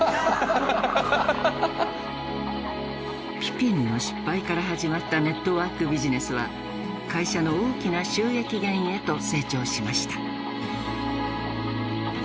ピピンの失敗から始まったネットワークビジネスは会社の大きな収益源へと成長しました。